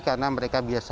karena mereka biasanya